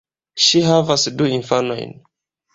Ŝi havas du infanojn.